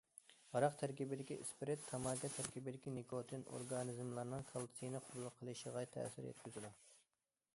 ھاراق تەركىبىدىكى ئىسپىرت، تاماكا تەركىبىدىكى نىكوتىن ئورگانىزملارنىڭ كالتسىينى قوبۇل قىلىشىغا تەسىر يەتكۈزىدۇ.